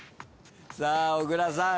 さあ小倉さん